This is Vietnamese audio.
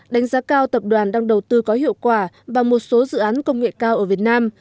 đánh giá cao tập đoàn đang đầu tư có hiệu quả và một số dự án công nghệ cao ở việt nam